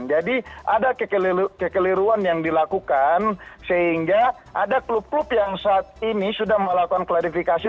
ada kekeliruan yang dilakukan sehingga ada klub klub yang saat ini sudah melakukan klarifikasi